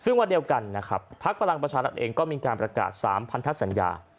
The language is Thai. ซึ่งวันเดียวกันนะครับพลักษณ์ประชารัฐเองก็มีการประกาศ๓๐๐๐ทัศนยา